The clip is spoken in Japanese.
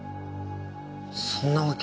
そんなわけ。